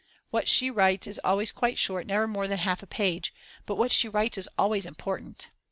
What she writes is always quite short, never more than half a page, but what she writes is always important.